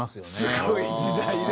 すごい時代です。